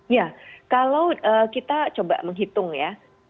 ya kalau kita coba menghitung ya